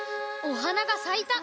おはながさいた。